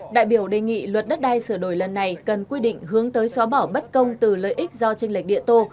đại biểu đề nghị luật đất đai sửa đổi lần này cần quy định hướng tới xóa bỏ bất công từ lợi ích do tranh lệch địa tô